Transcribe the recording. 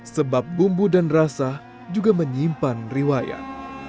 sebab bumbu dan rasa juga menyimpan riwayat